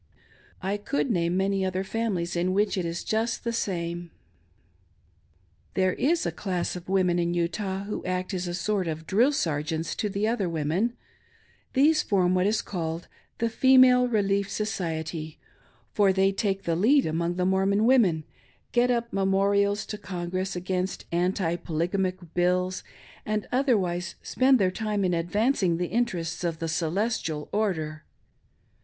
I could name many other families in which it is just the same. There is a class of women in Utah who act as a sort of drill sergeants to the other women ; these form what is called "The Female Relief Society;" they take the lead among the Mormon women, get up memorials to Congress against anti Polygamic bills, and otherwise spend their time in advancing the interests of the " Celestial Order."